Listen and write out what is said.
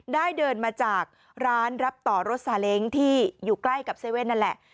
เดินมาจากร้านรับต่อรถสาเล้งที่อยู่ใกล้กับเซเว่นนั่นแหละ